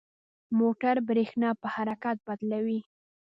موټور برېښنا په حرکت بدلوي.